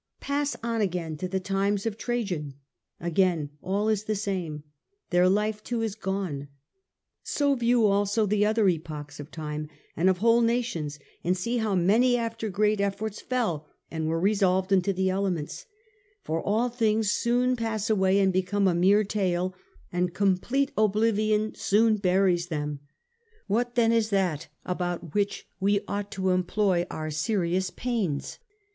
Pass on again to the times of Trajan. Again all is the same. Their life too is gone. So view also the other epochs < f time and of whole nations, and see how many after great efforts fell, and were resolved into the elements For all things soon pass away and become a mere tale, and complete oblivion soon buries them What then is that about which we ought to employ our serious pains